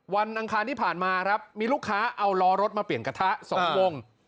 อังคารที่ผ่านมาครับมีลูกค้าเอาล้อรถมาเปลี่ยนกระทะ๒วง